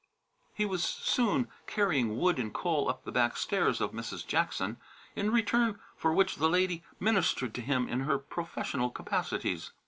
He was soon carrying wood and coal up the back stairs of Mrs. Jackson, in return for which the lady ministered to him in her professional capacities.